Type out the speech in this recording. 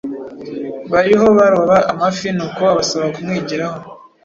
bariho baroba amafi, nuko abasaba kumwigiraho.